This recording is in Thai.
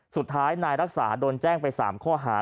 สุดท้ายนายรักษาโดนแจ้งไป๓ข้อหา